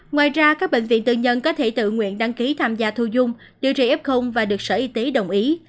ngoài ra các bệnh viện tư nhân có thể tự nguyện đăng ký tham gia thu dung điều trị f và được sở y tế đồng ý